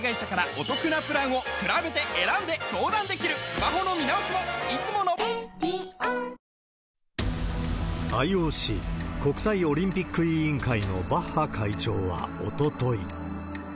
最後のほうには、ＩＯＣ・国際オリンピック委員会のバッハ会長はおととい。